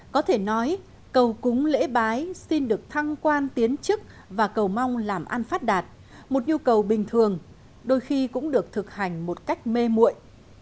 có thể nói cầu cúng lễ bái xin được thăng quan tiến chức và cầu mong làm ăn phát đạt một nhu cầu bình thường đôi khi cũng được thực hành một cách mê mụi